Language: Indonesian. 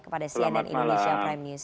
kepada cnn indonesia prime news